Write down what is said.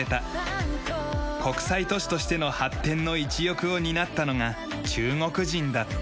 国際都市としての発展の一翼を担ったのが中国人だった。